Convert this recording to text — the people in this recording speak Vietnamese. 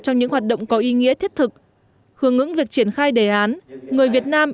trong những hoạt động có ý nghĩa thiết thực hướng ứng việc triển khai đề án người việt nam